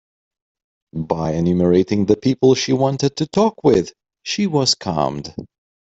By enumerating the people she wanted to talk with, she was calmed.